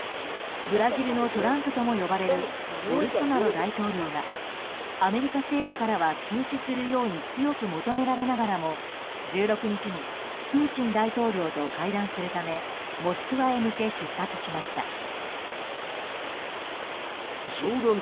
ブラジルのトランプとも呼ばれるボルソナロ大統領がアメリカ政府からは中止するように強く求められながらも１６日にプーチン大統領と会談するためモスクワへ向け出発しました。